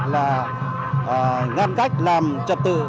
là ngăn cách làm trật tự